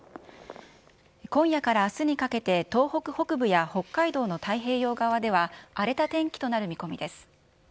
今夜からあすにかけて東北北部や北海道の太平洋側では、荒れた天気となる見込みです。